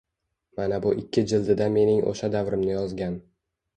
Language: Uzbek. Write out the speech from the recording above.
Mana bu ikki jildida mening o’sha davrimni yozgan